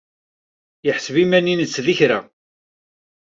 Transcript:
Yeḥseb iman-nnes d kra.